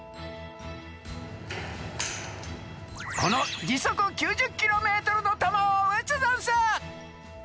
このじそく９０キロメートルのたまをうつざんす！